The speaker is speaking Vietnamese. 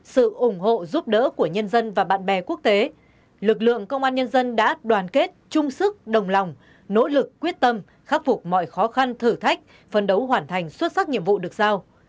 sự ủng hộ giúp đỡ của nhân dân và bạn bè quốc tế lực lượng công an nhân dân đã đoàn kết chung sức đồng lòng nỗ lực quyết tâm khắc phục mọi khó khăn thử thách phân đấu hoàn thành xuất sắc nhiệm vụ được giao